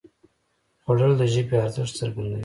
خوړل د ژبې ارزښت څرګندوي